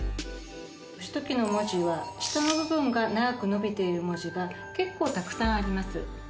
義時の文字は下の部分が長く伸びている文字が結構たくさんあります。